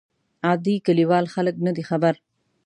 عادي کلیوال خلک نه دي خبر.